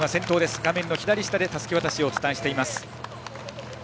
画面の左下でたすき渡しをお伝えしています。